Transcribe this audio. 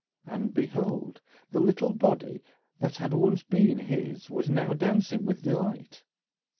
And behold! the little body that had once been his was now dancing with delight.